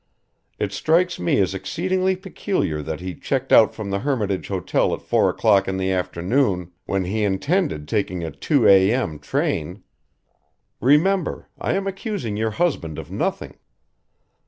It strikes me as exceedingly peculiar that he checked out from the Hermitage Hotel at four o'clock in the afternoon when he intended taking a two a.m. train. Remember, I am accusing your husband of nothing.